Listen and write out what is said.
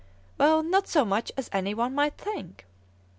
"Not so much as any one might think.